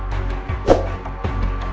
harus gimana sekarang